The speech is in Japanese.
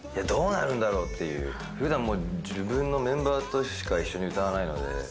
どうなるんだろうっていう、ふだん、もう自分のメンバーとしか一緒に歌わないので。